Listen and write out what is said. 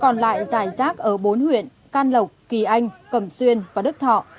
còn lại giải rác ở bốn huyện can lộc kỳ anh cẩm xuyên và đức thọ